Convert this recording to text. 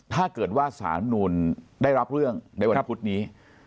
ถ้าเกิดว่าสารนูลได้รับเรื่องในวันพุธนี้